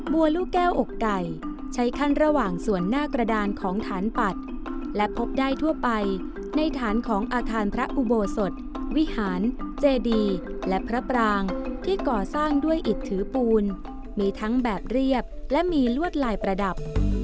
วัวลูกแก้วอกไก่ใช้ขั้นระหว่างส่วนหน้ากระดานของฐานปัดและพบได้ทั่วไปในฐานของอาคารพระอุโบสถวิหารเจดีและพระปรางที่ก่อสร้างด้วยอิดถือปูนมีทั้งแบบเรียบและมีลวดลายประดับ